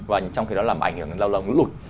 và trong khi đó làm ảnh nó lâu lâu lụt